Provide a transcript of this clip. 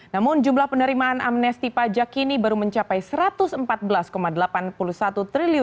namun jumlah penerimaan amnesty pajak ini baru mencapai rp satu ratus empat belas delapan triliun